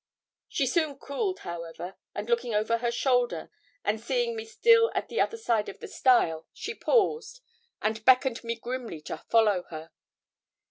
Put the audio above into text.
She soon cooled, however, and looking over her shoulder, and seeing me still at the other side of the stile, she paused, and beckoned me grimly to follow her.